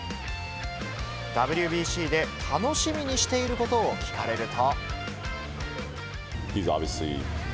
ＷＢＣで楽しみにしていることを聞かれると。